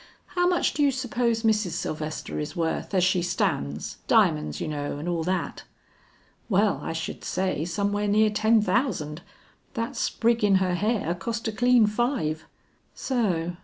How much do you suppose Mrs. Sylvester is worth as she stands, diamonds you know, and all that?" "Well I should say some where near ten thousand; that sprig in her hair cost a clean five." "So, so.